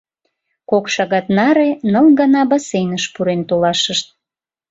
Кок шагат наре ныл гана бассейныш пурен толашышт.